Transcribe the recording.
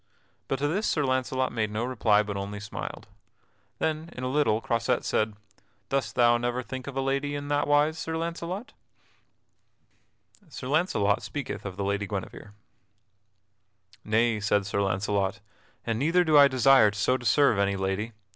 But to this Sir Launcelot made no reply but only smiled. Then in a little Croisette said: "Dost thou never think of a lady in that wise, Sir Launcelot?" [Sidenote: Sir Launcelot speaketh of the Lady Guinevere] "Nay," said Sir Launcelot, "and neither do I desire so to serve any lady.